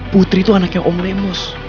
putri itu anaknya om lemus